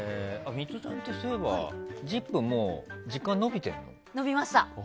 ミトちゃんってそういえば、「ＺＩＰ！」はもう延びました。